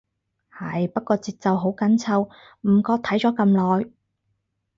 係，不過節奏好緊湊，唔覺睇咗咁耐